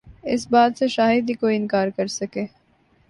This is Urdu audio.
اس بات سے شاید ہی کوئی انکار کرسکے